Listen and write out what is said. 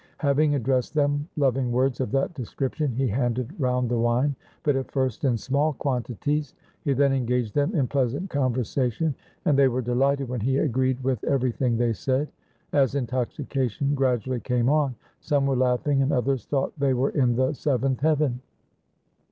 Having addressed them loving words of that description he handed round the wine, but at first in small quan tities. He then engaged them in pleasant conversa tion, and they were delighted when he agreed with everything they said. As intoxication gradually came on, some were laughing and others thought they were in the seventh heaven.